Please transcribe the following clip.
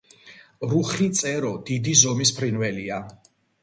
რუხი წერო დიდი ზომის ფრინველია.